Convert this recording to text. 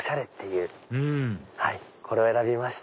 うんこれを選びました。